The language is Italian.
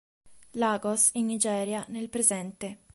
Lagos, in Nigeria, nel presente.